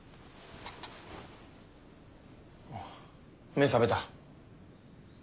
目ぇ覚めた？